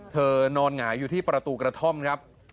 นอนหงายอยู่ที่ประตูกระท่อมครับ